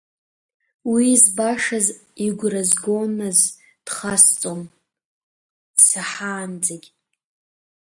Уи збашаз игәра згоназ дхасҵон, дсаҳаанӡагь.